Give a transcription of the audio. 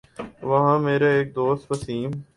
وہاں میرے ایک دوست وسیم